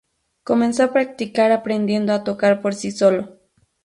Comenzó a practicar, aprendiendo a tocar por sí solo.